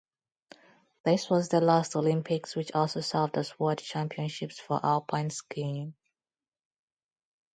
This was the last Olympics which also served as World Championships for alpine skiing.